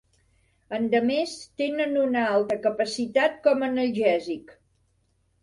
Endemés tenen una alta capacitat com a analgèsic.